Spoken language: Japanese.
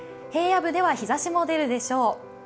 平野部では日ざしも出るでしょう。